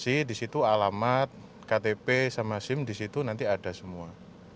terima kasih di situ alamat ktp sama sim di situ nanti ada semua